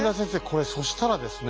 これそしたらですね